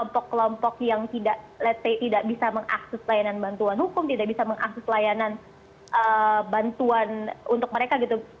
lompok lompok yang tidak bisa mengakses layanan bantuan hukum tidak bisa mengakses layanan bantuan untuk mereka